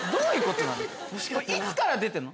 いつから出てるの？